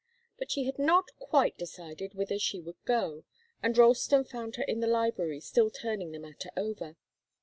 But she had not quite decided whither she would go, and Ralston found her in the library still turning the matter over.